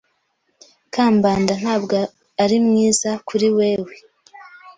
Kambanda ntabwo ari mwiza kuri wewe.